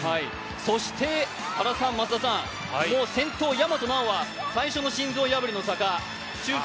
そして先頭、大和奈央は最初の心臓破りの坂、中腹